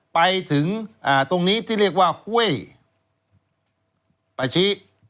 ไปถึงตรงนี้ที่เรียกว่าห้วยปาชิ